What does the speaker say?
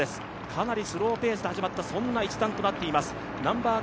かなりスローペースで始まったそんな一団となっています。